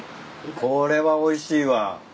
これはおいしいわ。